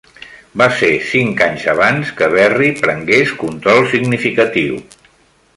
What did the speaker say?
Va ser cinc anys abans que Berry prengués control significatiu.